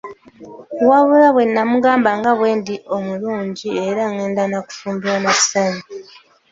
Wabula bwe nnamugamba nga bwe ndi obulungi era ngenda na kufumbirwa n'asanyuka.